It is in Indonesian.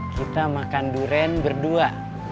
kita makan durian berdua